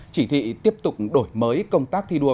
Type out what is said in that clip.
chỉ thị tiếp tục đổi mới công tác thi đua